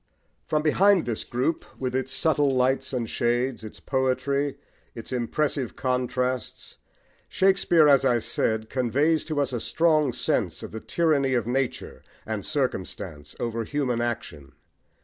From behind this group with its subtle lights and shades, its poetry, its impressive contrasts, Shakespeare, as I said, conveys to us a strong sense of the tyranny of nature and circumstance over human action.